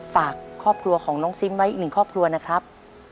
ฝากครอบครัวของน้องซิมไว้อีกหนึ่งครอบครัวนะครับ